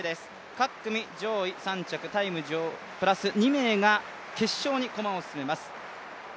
各組上位３着タイムプラス２名が決勝に駒を進めます。